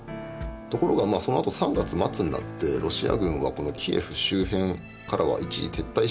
ところがそのあと３月末になってロシア軍はこのキエフ周辺からは一時撤退しますと。